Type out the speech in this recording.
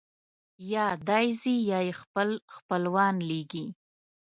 یا دی ځي یا یې خپل خپلوان لېږي.